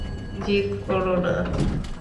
জিদ কোরো না।